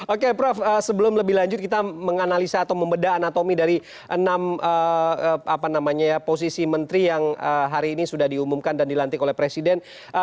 oke prof sebelum lebih lanjut kita menganalisa atau membeda anatomi dari enam posisi menteri yang hari ini sudah diumumkan dan dilantik oleh presiden